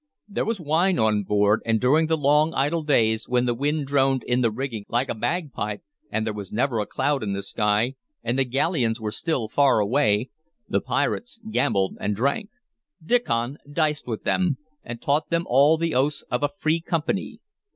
There was wine on board, and during the long, idle days, when the wind droned in the rigging like a bagpipe, and there was never a cloud in the sky, and the galleons were still far away, the pirates gambled and drank. Diccon diced with them, and taught them all the oaths of a free company.